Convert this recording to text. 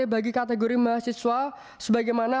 bagi kategori mahasiswa sebagaimana